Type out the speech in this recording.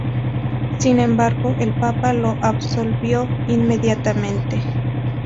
Sin embargo, el papa lo absolvió inmediatamente.